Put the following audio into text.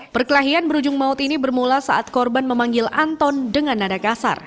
perkelahian berujung maut ini bermula saat korban memanggil anton dengan nada kasar